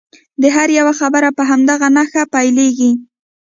د هر یوه خبره په همدغه نښه پیلیږي.